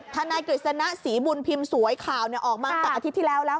นายกฤษณะศรีบุญพิมพ์สวยข่าวออกมาตั้งแต่อาทิตย์ที่แล้วแล้ว